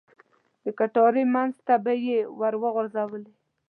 د کټارې منځ ته به یې ور وغوځولې.